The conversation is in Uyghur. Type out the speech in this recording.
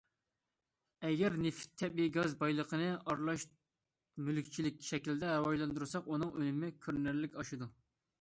ئەگەر نېفىت، تەبىئىي گاز بايلىقىنى ئارىلاش مۈلۈكچىلىك شەكلىدە راۋاجلاندۇرساق، ئۇنىڭ ئۈنۈمى كۆرۈنەرلىك ئاشىدۇ.